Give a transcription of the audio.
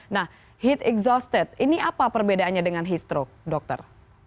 nah heat exhausted ini apa perbedaannya dengan heat stroke dokter